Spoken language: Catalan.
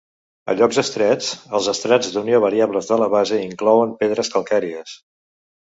A llocs estrets, els estrats d'unió variables de la base inclouen pedres calcàries.